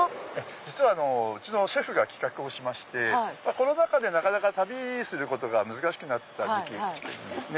実はうちのシェフが企画をしましてコロナ禍で旅することが難しくなった時期にですね